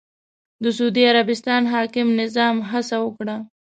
د سعودي عربستان حاکم نظام هڅه وکړه